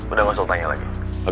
udah gak usah tanya lagi